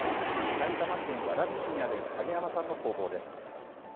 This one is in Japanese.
埼玉県蕨市にある影山さんの工房です。